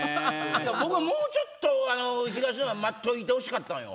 僕はもうちょっと東野が待っといてほしかったのよ。